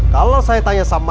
kalau saya tanya sama